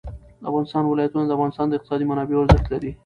د افغانستان ولايتونه د افغانستان د اقتصادي منابعو ارزښت زیاتوي.